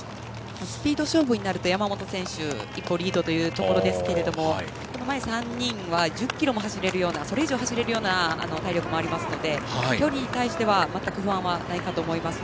スピード勝負になると山本選手が一歩リードというところですが前３人は１０ｋｍも走れるようなそれ以上走れるような体力もあるので距離に対しては、全く不安はないと思いますね。